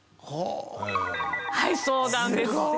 はいそうなんです。